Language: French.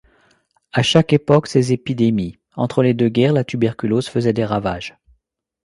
À chaque époque ses épidémies, entre les deux guerres, la tuberculose faisait des ravages.